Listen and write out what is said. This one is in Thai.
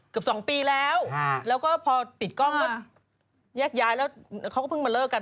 เกือบ๒ปีแล้วแล้วก็พอปิดกล้องก็แยกย้ายแล้วเขาก็เพิ่งมาเลิกกัน